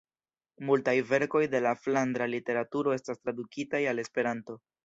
Multaj verkoj de la flandra literaturo estas tradukitaj al Esperanto.